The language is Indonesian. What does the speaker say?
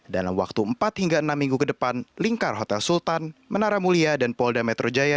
dalam waktu empat hingga enam minggu ke depan lingkar hotel sultan menara mulia dan polda metro jaya